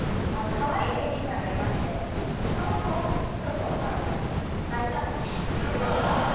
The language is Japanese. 可愛いＡＤちゃんがいましてその子をちょっとあの抱いたという事も。